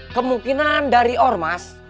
kemungkinan dari ormas